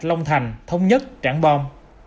long thành thông nhất trảng bom